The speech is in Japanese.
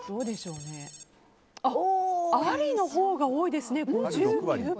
ありのほうが多いですね。